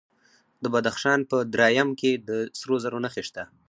د بدخشان په درایم کې د سرو زرو نښې شته.